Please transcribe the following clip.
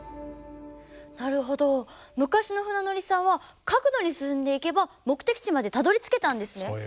なるほど昔の船乗りさんは角度に進んでいけば目的地までたどりつけたんですね。